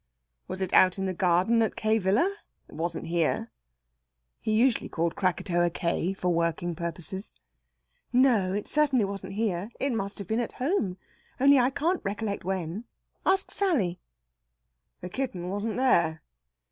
"Was it out in the garden at K. Villa? It wasn't here." He usually called Krakatoa "K." for working purposes. "No, it certainty wasn't here. It must have been at home, only I can't recollect when. Ask Sally." "The kitten wasn't there."